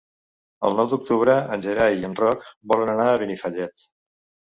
El nou d'octubre en Gerai i en Roc volen anar a Benifallet.